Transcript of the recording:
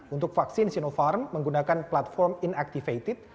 untuk vaksin sinopharm menggunakan platform inaktif